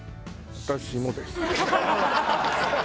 私もです。